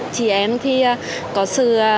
chị em thì có sự